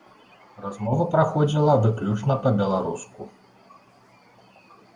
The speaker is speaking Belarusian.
Размова праходзіла выключна па-беларуску.